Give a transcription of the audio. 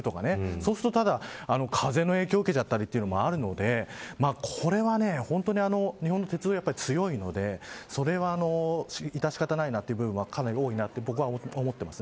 そうすると風の影響を受けたりというのもあるのでこれは日本の鉄道は強いのでそれは致し方がないなという部分がかなり多いと僕は思ってます。